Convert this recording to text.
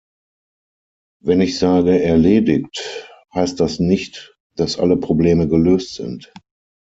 Wenn ich sage "erledigt", heißt das nicht, dass alle Probleme gelöst sind.